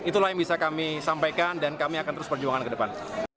itulah yang bisa kami sampaikan dan kami akan terus perjuangkan ke depan